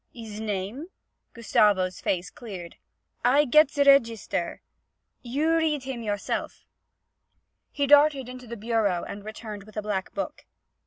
'His name?' Gustavo's face cleared. 'I get ze raygeester; you read heem yourself.' He darted into the bureau and returned with a black book.